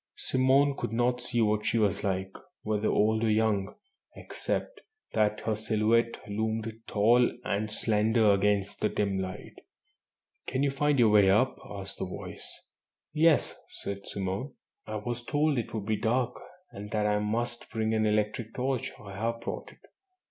Simone could not see what she was like, whether old or young, except that her silhouette loomed tall and slender against the dim light. "Can you find your way up?" asked the voice. "Yes," said Simone, "I was told it would be dark, and that I must bring an electric torch. I have brought it."